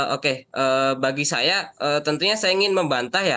oke bagi saya tentunya saya ingin membantah ya